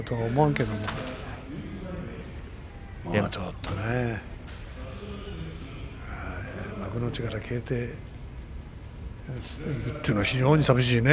もうちょっとね幕内から消えていくっていうのはとても寂しいね。